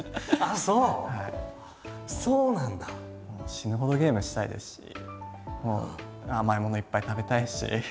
死ぬほどゲームしたいですし甘い物いっぱい食べたいし。